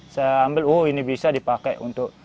saya ambil oh ini bisa dipakai untuk